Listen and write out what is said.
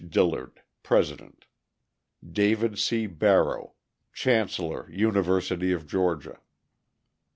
Dillard, President. David C. Barrow, chancellor University of Georgia.